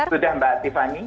sudah mbak tiffany